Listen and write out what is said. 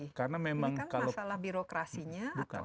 ini kan masalah birokrasinya